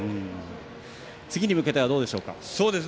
次に向けてはどうでしょうか。